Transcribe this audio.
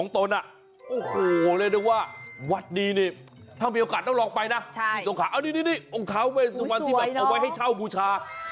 ถ้ามีโอกาสต้องลองไปนะนี่ตรงข้างนี่องค์เท้าเวสุวรรณที่เอาไว้ให้เช่าบูชา